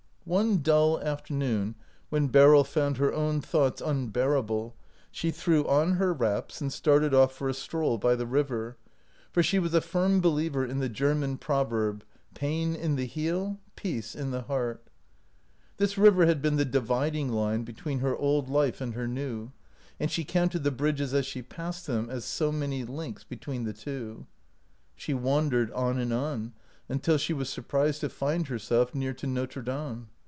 One dull afternoon when Beryl found her own thoughts unbearable, she threw on her wraps and started off for a stroll by the river, 9i OUT OF BOHEMIA for she was a firm believer in the German proverb, " Pain in the heel, peace in the heart." This river had been the dividing line between her old life and her new, and she counted the bridges as she passed them as so many links between the two. She wandered on and on, until she was surprised to find herself near to Notre Dame.